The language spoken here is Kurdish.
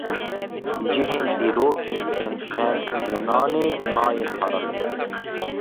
Cihên dîrokî yên Şemzînanê, nayên parastin